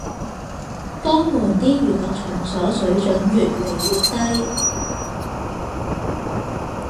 江門啲娛樂場所水準越來越低